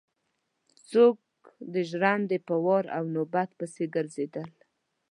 څوک د ژرندې په وار او نوبت پسې ګرځېدل.